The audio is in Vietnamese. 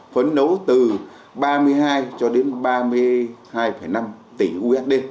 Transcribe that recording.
phấn đấu từ ba mươi hai cho đến ba mươi hai năm tỷ usd